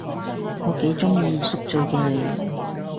我幾鍾意宿醉嘅你